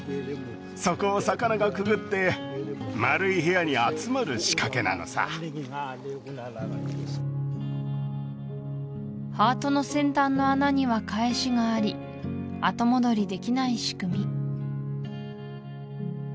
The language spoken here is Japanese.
そこを魚がくぐって丸い部屋に集まる仕掛けなのさハートの先端の穴には返しがあり後戻りできない仕組み